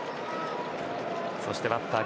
そしてバッター